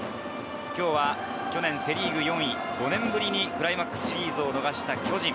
今日は去年、セ・リーグ４位、５年ぶりにクライマックスシリーズを逃した巨人。